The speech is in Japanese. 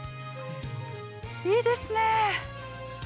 いいですね。